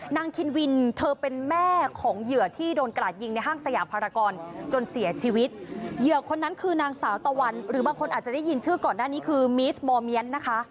คินวินเธอเป็นแม่ของเหยื่อที่โดนกระดาษยิงในห้างสยามภารกรจนเสียชีวิตเหยื่อคนนั้นคือนางสาวตะวันหรือบางคนอาจจะได้ยินชื่อก่อนหน้านี้คือมีสมอร์เมียนนะคะ